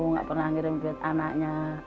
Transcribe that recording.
tidak pernah mengirimkan anaknya